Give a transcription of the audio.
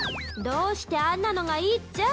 どうしてあんなのがいいっちゃ？